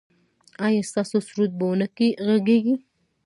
ایا ستاسو سرود به و نه غږیږي؟